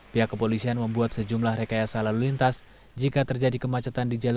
pihak kepolisian membuat sejumlah rekayasa lalu lintas jika terjadi kemacetan di jalan